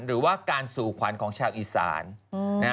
หรือว่าการสู่ขวัญของชาวอีสาน